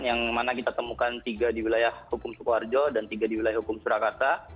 yang mana kita temukan tiga di wilayah hukum sukoharjo dan tiga di wilayah hukum surakarta